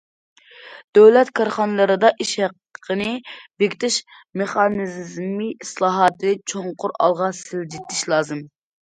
دۆلەت كارخانىلىرىدا ئىش ھەققىنى بېكىتىش مېخانىزمى ئىسلاھاتىنى چوڭقۇر ئالغا سىلجىتىش لازىم.